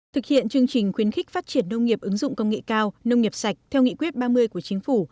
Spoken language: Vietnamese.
thực hiện chương trình khuyến khích phát triển nông nghiệp ứng dụng công nghệ cao nông nghiệp sạch theo nghị quyết ba mươi của chính phủ